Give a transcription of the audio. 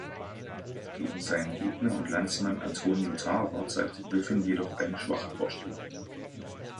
Gegen seinen Gegner und Landsmann Antonio Tarver zeigte Griffin jedoch eine schwache Vorstellung.